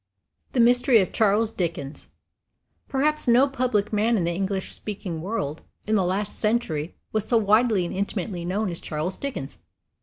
THE MYSTERY OF CHARLES DICKENS Perhaps no public man in the English speaking world, in the last century, was so widely and intimately known as Charles Dickens.